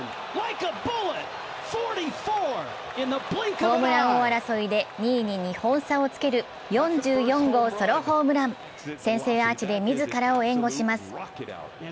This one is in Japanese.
ホームラン王争いで２位に２本差をつける４４号ソロホームラン、先制アーチで自らを援護します。